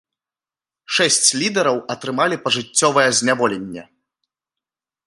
Шэсць лідараў атрымалі пажыццёвае зняволенне.